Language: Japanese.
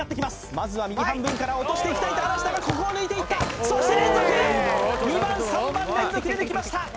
まずは右半分から落としていきたいと話したがここを抜いていったそして連続２番３番連続で抜きました